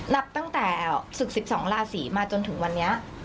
นับตั้งแต่ศึก๑๒ราศีมาจนถึงวันนี้